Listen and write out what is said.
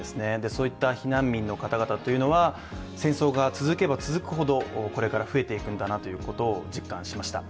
そういった避難民の方々は戦争が続けば続くほどこれから増えていくんだなっていうことを実感しました。